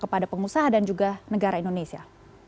kepada pengusaha dan juga negara indonesia